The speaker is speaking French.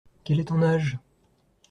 Quel est ton âge?